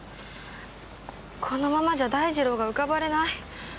このままじゃ大二郎が浮かばれない。